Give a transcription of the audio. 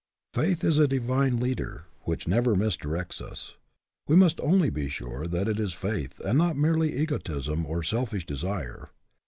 Faith is a divine leader which never misdirects us. We must only be sure that it is faith, and not merely egotism or selfish desire.